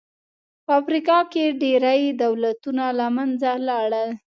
په افریقا کې ډېری دولتونه له منځه لاړل.